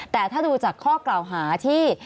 แต่ถ้าดูจากข้อกล่าวหาที่